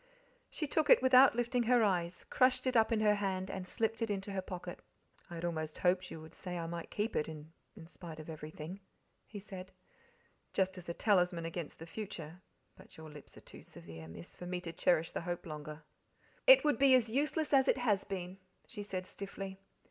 She took it without lifting her eyes, crushed it up in her hand, and slipped it into her pocket. "I had almost hoped you would say I might keep it, in spite of everything," he said, "just as a talisman against the future, but your lips are too severe, Miss for me to cherish the hope longer." "It would be as useless as it has been," she said stiffly.